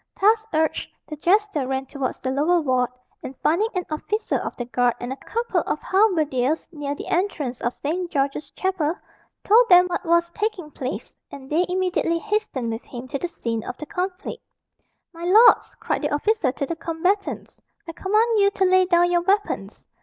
Thus urged, the jester ran towards the lower ward, and finding an officer of the guard and a couple of halberdiers near the entrance of St. George's Chapel, told them what was taking place, and they immediately hastened with him to the scene of the conflict. "My lords!" cried the officer to the combatants, "I command you to lay down your weapons."